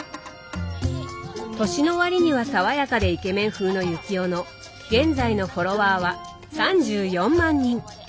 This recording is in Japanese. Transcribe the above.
年の割には爽やかでイケメン風の幸男の現在のフォロワーは３４万人。